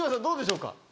どうでしょうか？